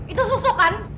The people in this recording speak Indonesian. itu susu kan